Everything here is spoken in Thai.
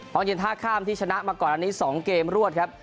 ห้องเย็นท่าข้ามที่ชนะมาก่อนอันนี้๒เกมรวดครับ